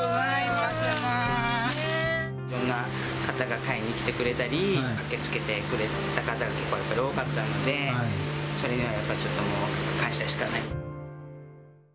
いろんな方が買いに来てくれたり、駆けつけてくれた方、結構やっぱり多かったんで、それにはちょっともう、やっぱり感謝しかない。